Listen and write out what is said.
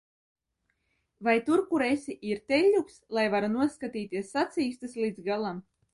Vai tur, kur esi, ir teļļuks, lai varu noskatīties sacīkstes līdz galam?